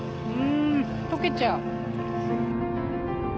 うん溶けちゃう。